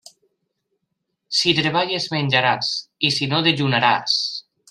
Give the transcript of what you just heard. Si treballes, menjaràs; i si no, dejunaràs.